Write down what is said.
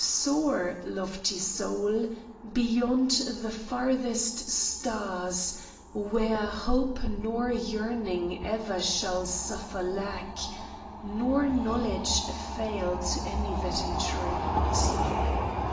Soar, lofty soul, beyond the farthest stars, Where hope nor yearning e'er shall suffer lack, Nor knowledge fail to any that entreat